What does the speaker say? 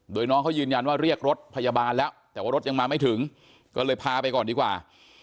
โดยน้องเขายืนยันว่าเรียกรถพยาบาลแล้วแต่ว่ารถยังมาไม่ถึงก็เลยพาไปก่อนดีกว่า